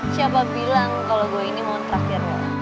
siapa bilang kalo gue ini mau terakhir lo